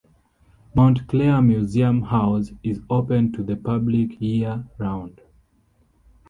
Mount Clare Museum House is open to the public year-round.